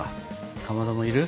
かまどもいる？